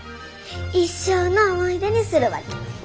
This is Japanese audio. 一生の思い出にするわけ。